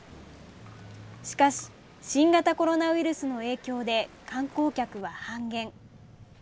しかし、新型コロナウイルスの影響で観光客は半減。